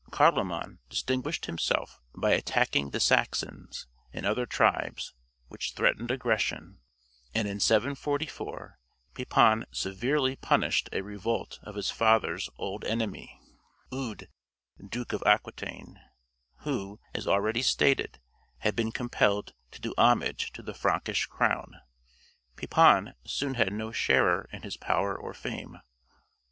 Carloman distinguished himself by attacking the Saxons and other tribes which threatened aggression; and in 744 Pepin severely punished a revolt of his father's old enemy (Eudes, Duke of Aquitaine), who, as already stated, had been compelled to do homage to the Frankish crown. Pepin soon had no sharer in his power or fame.